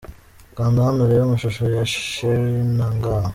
Kanda hano urebe amashusho ya 'Cherie na nga' .